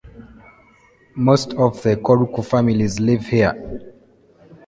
Most of the Korku families live here.